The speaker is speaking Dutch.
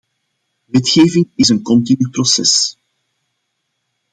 Wetgeving is een continu proces.